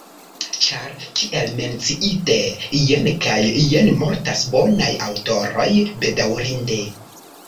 Ĉar, kiel menciite, jen kaj jen mortas bonaj aŭtoroj, bedaŭrinde.